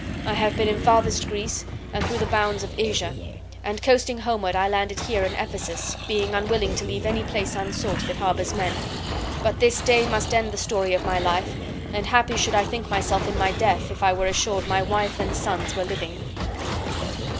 I have been in farthest Greece, and through the bounds of Asia, and, coasting homeward, I landed here in Ephesus, being unwilling to leave any place unsought that harbors men; but this day must end the story of my life, and happy should I think myself in my death if I were assured my wife and sons were living."